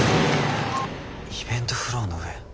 イベントフロアの上。